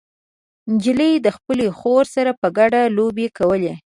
نجلۍ د خپلې خور سره په ګډه لوبې کولې.